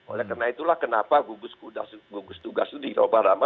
oleh karena itulah kenapa gugus gugus tugas itu di jawa barat